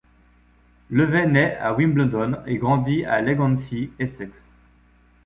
Levey naît à Wimbledon et grandit à Leigh-on-Sea, Essex.